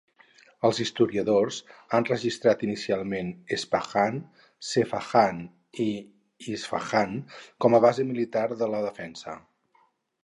Els historiadors han registrat inicialment "Espahan", "Sepahan" o "Isfahan" com a base militar i de defensa.